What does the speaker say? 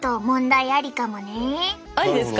ありですか？